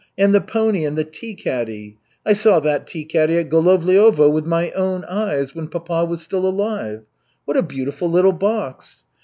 And the pony and the tea caddy. I saw that tea caddy at Golovliovo with my own eyes, when papa was still alive. What a beautiful little box!"